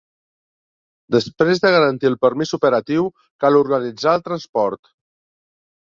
Després de garantir el permís operatiu, cal organitzar el transport.